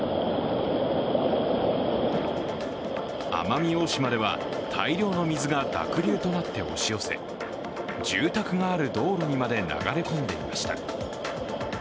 奄美大島では大量の水が濁流となって押し寄せ、住宅がある道路にまで流れ込んでいました。